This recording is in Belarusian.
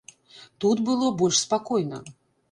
Тут было больш спакойна.